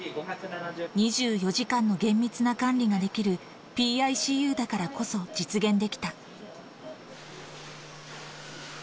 ２４時間の厳密な管理ができるＰＩＣＵだからこそ、実現できた。